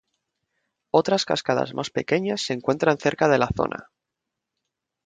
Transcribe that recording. Otras cascadas más pequeñas se encuentran cerca de la zona.